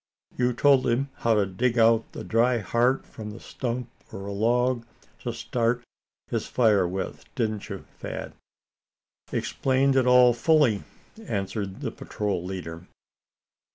"You told him how to dig out the dry heart from a stump or a log, to start his fire with, didn't you, Thad?" "Explained it all fully," answered the patrol leader.